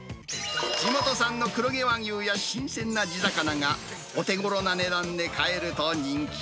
地元産の黒毛和牛や新鮮な地魚が、お手ごろな値段で買えると人気。